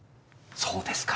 そうですか。